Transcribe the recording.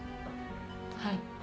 はい。